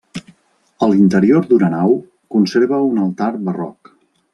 A l'interior d'una nau conserva un altar barroc.